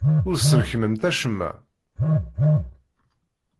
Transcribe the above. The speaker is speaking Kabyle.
Ur tesrekmemt acemma.